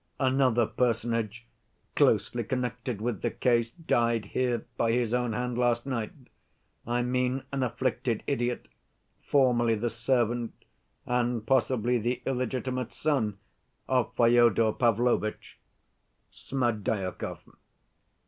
Another personage closely connected with the case died here by his own hand last night. I mean an afflicted idiot, formerly the servant, and possibly the illegitimate son, of Fyodor Pavlovitch, Smerdyakov.